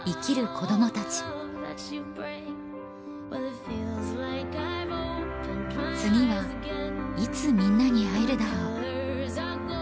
子どもたち次はいつみんなに会えるだろう